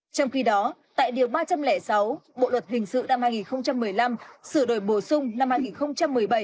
trong khi đó tại điều ba trăm linh sáu bộ luật hình sự năm hai nghìn một mươi năm sửa đổi bổ sung năm hai nghìn một mươi bảy